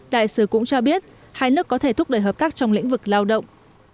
đại sứ cũng cho biết hai nước có thể thúc đẩy hợp tác trong lĩnh vực lao động